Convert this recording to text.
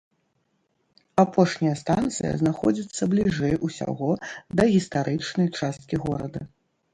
Апошняя станцыя знаходзіцца бліжэй усяго да гістарычнай часткі горада.